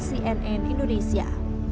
di nn indonesia